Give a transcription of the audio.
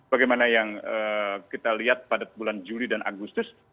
bagaimana yang kita lihat pada bulan juli dan agustus